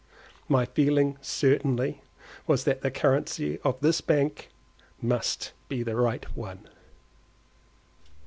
My feeling certainly was that the currency of this bank must be the right one.